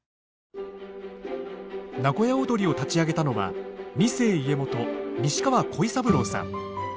名古屋をどりを立ち上げたのは二世家元西川鯉三郎さん。